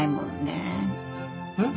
えっ？